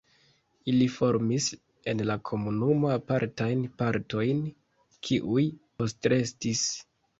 Ili formis en la komunumo apartajn partojn, kiuj postrestis.